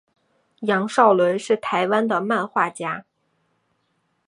杨邵伦是台湾的漫画家。